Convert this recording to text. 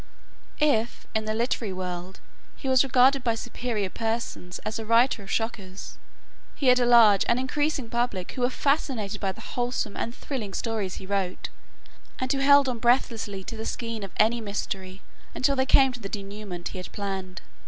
If, in the literary world, he was regarded by superior persons as a writer of "shockers," he had a large and increasing public who were fascinated by the wholesome and thrilling stories he wrote, and who held on breathlessly to the skein of mystery until they came to the denouement he had planned.